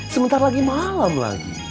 sementara lagi malam lagi